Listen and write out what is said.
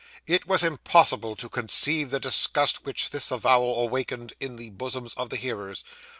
It is impossible to conceive the disgust which this avowal awakened in the bosoms of the hearers.